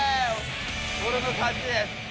俺の勝ちです。